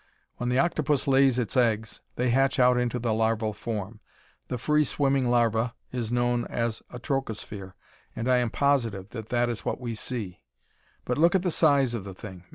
"When the octopus lays its eggs, they hatch out into the larval form. The free swimming larva is known as a trochosphere, and I am positive that that is what we see; but look at the size of the thing!